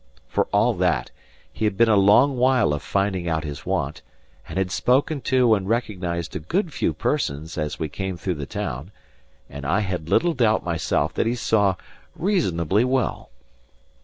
For all that, he had been a long while of finding out his want, and had spoken to and recognised a good few persons as we came through the town; and I had little doubt myself that he saw reasonably well.